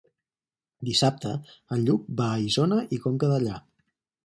Dissabte en Lluc va a Isona i Conca Dellà.